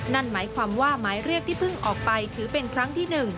นั่นหมายความว่าหมายเรียกที่เพิ่งออกไปถือเป็นครั้งที่๑